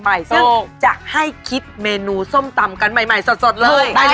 ซึ่งจะให้คิดเมนูส้มตำกันใหม่สดเลย